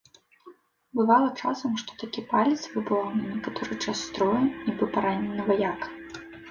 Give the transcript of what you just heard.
Бывала часам, што такі палец выбываў на некаторы час з строю, нібы паранены ваяка.